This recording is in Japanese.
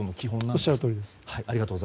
おっしゃるとおりです。